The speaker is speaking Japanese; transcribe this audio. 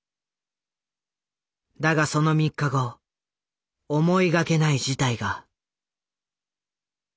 だがその３日後思いがけない事態が。